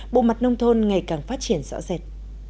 bộ mặt nông thôn ngày càng phát triển rõ rệt